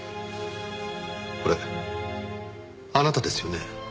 これあなたですよね？